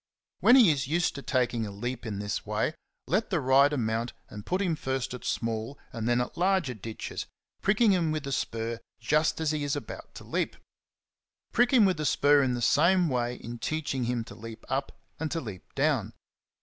When he is used to taking a leap in this way, let the rider mount and put him first at small and then at larger ditches, pricking him with the spur^^ just as he is about to leap. Prick him with the spur in the same way in teaching him to leap up and to leap down.